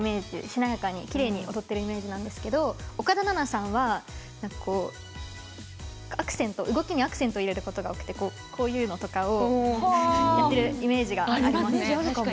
しなやかにきれいに踊ってるイメージなんですけど岡田奈々さんは動きにアクセント入れることが多くてこういうのをやってるイメージがありますね。